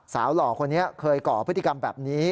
หล่อคนนี้เคยก่อพฤติกรรมแบบนี้